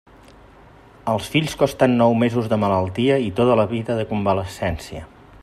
Els fills costen nou mesos de malaltia i tota la vida de convalescència.